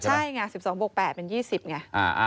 ใช่ไง๑๒บวก๘เป็น๒๐ไง